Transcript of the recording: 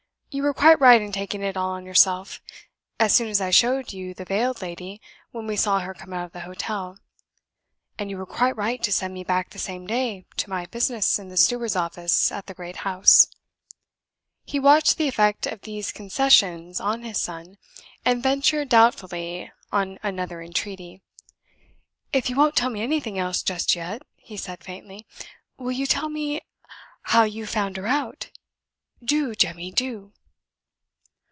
You were quite right in taking it all on yourself, as soon as I showed you the veiled lady when we saw her come out of the hotel; and you were quite right to send me back the same day to my business in the steward's office at the Great House." He watched the effect of these concessions on his son, and ventured doubtfully on another entreaty. "If you won't tell me anything else just yet," he said, faintly, "will you tell me how you found her out. Do, Jemmy, do!"